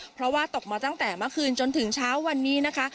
เพราะว่าตกมาตั้งแต่เมื่อคืนจนถึงเช้าวันนี้นะคะ